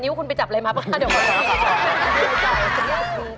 นิ้วคุณไปจับอะไรมาปะค่ะเดี๋ยวมาดู